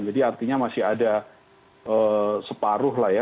jadi artinya masih ada separuh lah ya